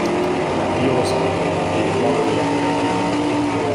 Dio lo salvi e il diavolo lo protegga.